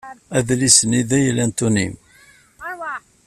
Adlis-nni d agla n Ṭuni.